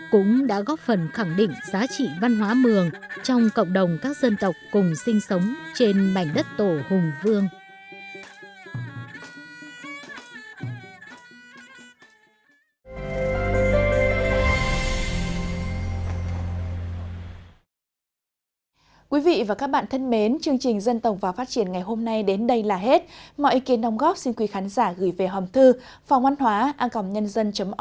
cũng đã góp phần khẳng định giá trị văn hóa mường trong cộng đồng các dân tộc cùng sinh sống trên bảnh đất tổ hùng vương